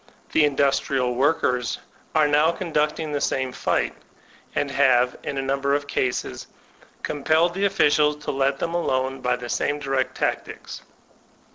The Indus trial Workers are now conducting the same fight, and have, in a number of cases, compelled the officials to let them alone by the same direct tactics.